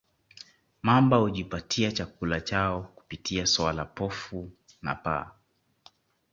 mamba hujipatia chakula chao kupitia swala pofu na paa